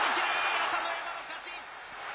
朝乃山の勝ち。